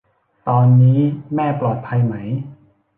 ตอนนี้แม่ปลอดภัยไหม ?